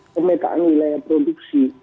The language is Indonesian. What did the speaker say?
pemetaan wilayah produksi